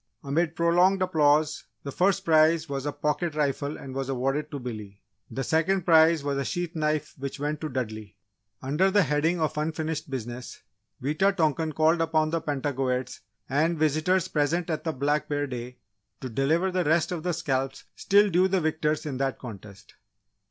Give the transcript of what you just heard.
Amid prolonged applause, the first prize was a pocket rifle and was awarded to Billy. The second prize was a sheath knife which went to Dudley. Under the heading of "unfinished business" Wita tonkan called upon the Pentagoets and visitors present at the Black Bear Day, to deliver the rest of the scalps still due the victors in that contest.